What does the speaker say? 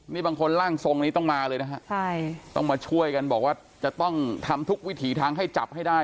นี่บางคนร่างทรงนี้ต้องมาเลยนะฮะใช่ต้องมาช่วยกันบอกว่าจะต้องทำทุกวิถีทางให้จับให้ได้